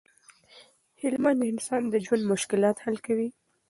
هیله مند انسان د ژوند مشکلات حل کوي.